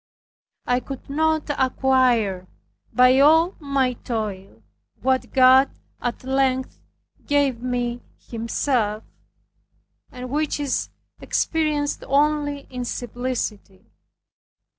I could not acquire, by all my toil, what God at length gave me Himself, and which is experienced only in simplicity.